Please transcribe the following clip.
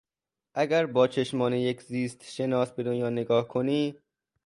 اگر باچشمان یک زیستشناس به دنیا نگاه کنی